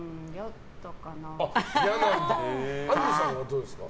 安藤さんはどうですか？